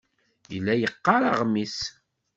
Yella yeqqar aɣmis.